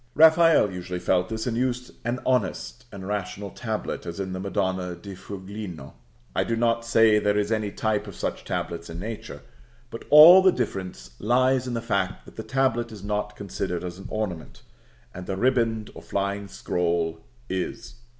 Raphael usually felt this, and used an honest and rational tablet, as in the Madonna di Fuligno. I do not say there is any type of such tablets in nature, but all the difference lies in the fact that the tablet is not considered as an ornament, and the riband, or flying scroll, is.